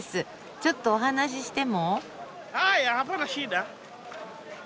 ちょっとお話ししても？